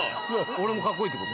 俺もカッコいいってこと。